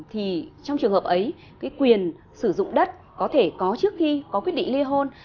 thì trong trường hợp ấy cái quyền sử dụng đất có thể có trước khi có quyết định ly hôn